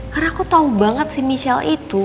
karena aku tau banget si michelle itu